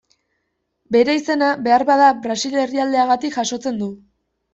Bere izena, beharbada, Brasil herrialdeagatik jasotzen du.